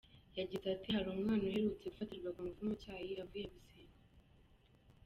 Yagize ati” Hari umwana uherutse gufatirwa ku ngufu mu cyayi avuye gusenga.